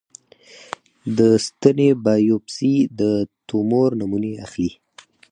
د ستنې بایوپسي د تومور نمونې اخلي.